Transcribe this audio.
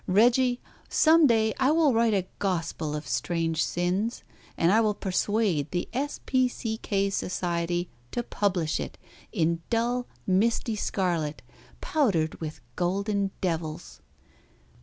Reggie, some day I will write a gospel of strange sins, and I will persuade the S. P. C. K. Society to publish it in dull, misty scarlet, powdered with golden devils."